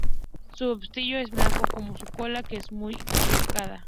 Su obispillo es blanco como su cola, que es muy ahorquillada.